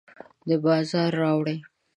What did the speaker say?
د بازار راوړي